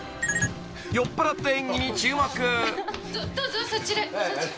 ［酔っぱらった演技に注目］